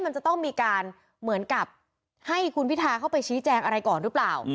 มันจะต้องมีการเหมือนกับให้คุณพิทาเข้าไปชี้แจงอะไรก่อนหรือเปล่า